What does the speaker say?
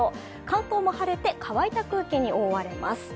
関東も晴れて、乾いた空気に覆われます。